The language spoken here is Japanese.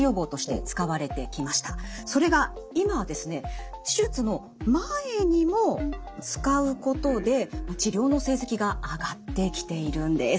それが今はですね手術の前にも使うことで治療の成績が上がってきているんです。